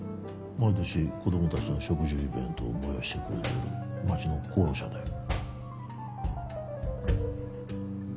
毎年子どもたちの植樹イベントを催してくれてる街の功労者だよ。